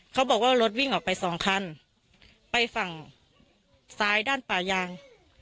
เขาบอกว่ารถวิ่งออกไปสองคันไปฝั่งซ้ายด้านป่ายาง